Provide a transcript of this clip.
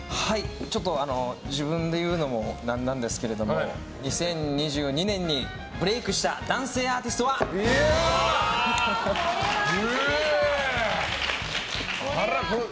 ちょっと自分で言うのも何なんですが２０２２年にブレイクした男性アーティストといえば？